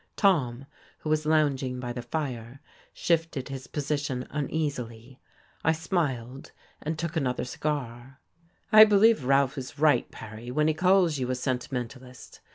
Tom, who was lounging by the fire, shifted his position uneasily. I smiled, and took another cigar. "I believe Ralph is right, Perry, when he calls you a sentimentalist.